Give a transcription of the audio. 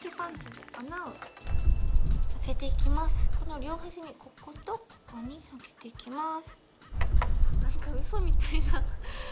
この両端にこことここに開けていきます。